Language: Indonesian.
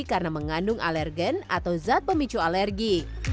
karena mengandung alergen atau zat pemicu alergi